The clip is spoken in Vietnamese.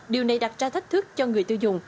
điều này đặt ra thách thức cho người tiêu dùng